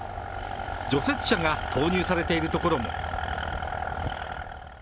除雪車が投入されているところも。